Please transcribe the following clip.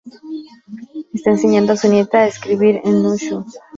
Está enseñando a su nieta a escribir en nü shu.